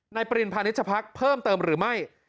ในปริญญาณภัณฑ์นิจภักษ์เพิ่มเติมหรือไม่